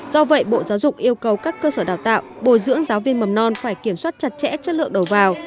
do vậy bộ giáo dục yêu cầu các cơ sở đào tạo bồi dưỡng giáo viên mầm non phải kiểm soát chặt chẽ chất lượng đầu vào